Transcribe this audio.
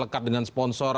lekat dengan sponsor